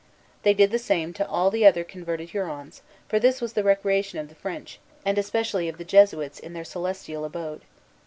They did the same to all the other converted Hurons; for this was the recreation of the French, and especially of the Jesuits, in their celestial abode.